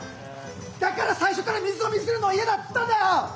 だから最初から水を見せるのは嫌だって言ったんだよ！